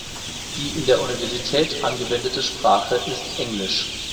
Die in der Universität angewendete Sprache ist Englisch.